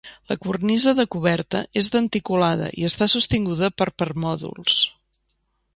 La cornisa de coberta és denticulada i està sostinguda per permòdols.